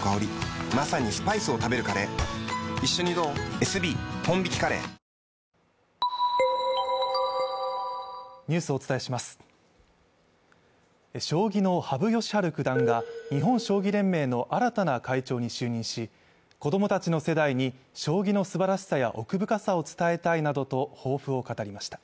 「エリエール」マスクも将棋の羽生善治九段が日本将棋連盟の新たな会長に就任し、子供たちの世代に将棋の素晴らしさや奥深さを伝えたいなどと抱負を語りました。